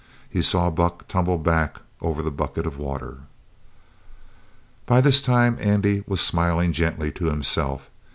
He saw Buck tumble back over the bucket of water. By this time Andy was smiling gently to himself.